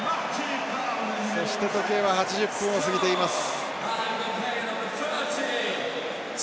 そして時計は８０分を過ぎています。